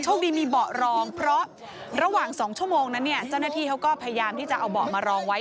ดีมีเบาะรองเพราะระหว่าง๒ชั่วโมงนั้นเนี่ยเจ้าหน้าที่เขาก็พยายามที่จะเอาเบาะมารองไว้